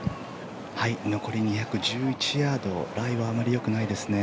残り２１１ヤードライはあまりよくないですね。